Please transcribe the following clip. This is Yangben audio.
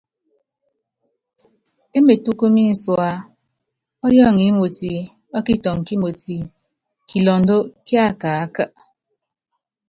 E metúkú mínsúá, ɔ́yɔɔŋɔ ímotí, ɔ́kitɔŋɔ kímotí, kilundɔ́ kíákaaka.